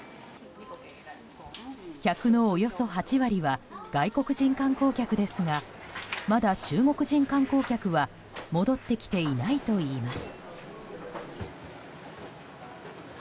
客の、およそ８割は外国人観光客ですがまだ中国人観光客は戻ってきていないといいます。